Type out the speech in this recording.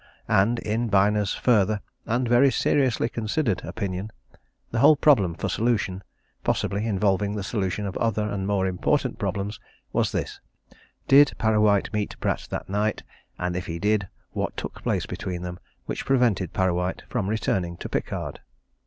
And, in Byner's further and very seriously considered opinion, the whole problem for solution possibly involving the solution of other and more important problems was this: Did Parrawhite meet Pratt that night, and if he did what took place between them which prevented Parrawhite from returning to Pickard?